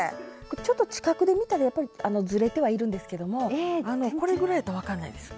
ちょっと近くで見たらやっぱりずれてはいるんですけどもあのこれぐらいやったら分かんないです。